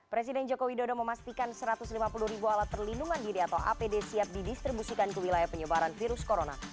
presiden joko widodo memastikan satu ratus lima puluh ribu alat perlindungan diri atau apd siap didistribusikan ke wilayah penyebaran virus corona